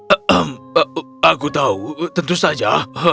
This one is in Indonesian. hmm aku tahu tentu saja